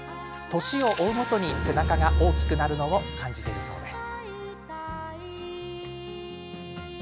年を追うごとに背中が大きくなるのを感じているそうです。